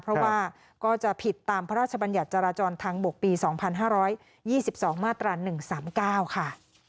เพราะว่าก็จะผิดตามพระราชบัญญัติจราจรทางบกปี๒๕๒๒มาตรา๑๓๙ค่ะ